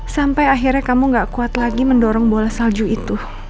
sampai akhirnya kamu gak kuat lagi mendorong bola salju itu